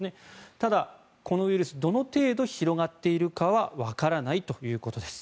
ただ、このウイルスどの程度広がっているかはわからないということです。